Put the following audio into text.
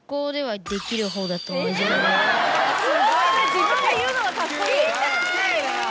自分で言うのがカッコいい。